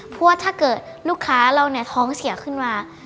เพราะว่าถ้าเกิดลูกค้าเราเนี่ยท้องเสียขึ้นมา